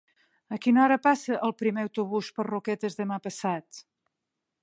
A quina hora passa el primer autobús per Roquetes demà passat?